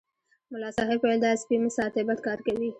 ملا صاحب ویل دا سپي مه ساتئ بد کار کوي.